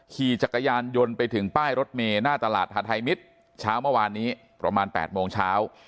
ขี่จักรยานยนต์ไปถึงป้ายรถเมย์หน้าตลาดหาทัยมิตรเช้าเมื่อวานนี้ประมาณ๘โมงเช้า